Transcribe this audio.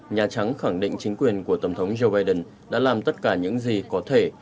nhà trắng khẳng định chính quyền của tổng thống joe biden đã làm tất cả những gì có thể